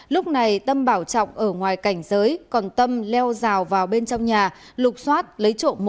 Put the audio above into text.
lúc này tâm bảo trọng ở ngoài cảnh giới còn tâm leo rào vào bên trong nhà lục xoát lấy trộm